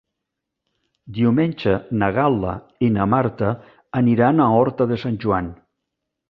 Diumenge na Gal·la i na Marta aniran a Horta de Sant Joan.